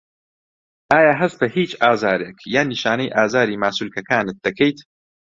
ئایا هەست بە هیچ ئازارێک یان نیشانەی ئازاری ماسوولکەکانت دەکەیت؟